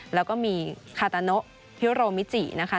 แล้วก็มีคาตาโนฮิโรมิจินะคะ